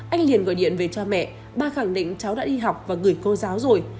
anh liền gọi điện về cha mẹ ba khẳng định cháu đã đi học và gửi cô giáo rồi